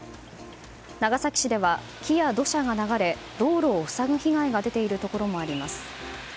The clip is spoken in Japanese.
長崎市では、木や土砂が流れ道路を塞ぐ被害が出ているところもあります。